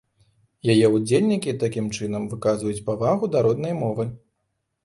Яе ўдзельнікі такім чынам выказваюць павагу да роднай мовы.